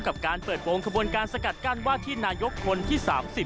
กับการเปิดโปรงขบวนการสกัดกั้นว่าที่นายกคนที่๓๐